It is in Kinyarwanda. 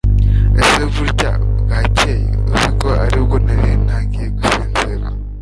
ese burya bwakeye uzi ko aribwo nari ntangiye gusinzira